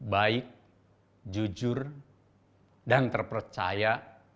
baik jujur dan terpercaya